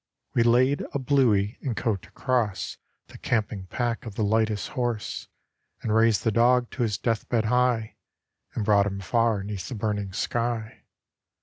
We laid a 'bluey' and coat across The camping pack of the lightest horse, And raised the dog to his deathbed high, And brought him far 'neath the burning sky.